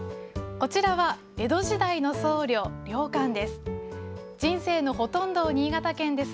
こちらは江戸時代の僧侶、良寛です。